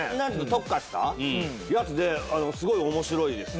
特化したやつですごい面白いです。